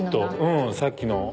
さっきの。